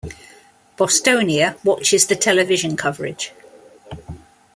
Bostonia watches the television coverage.